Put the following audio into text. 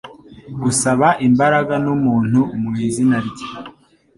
Gusaba imbaraga n'ubuntu mu izina rye.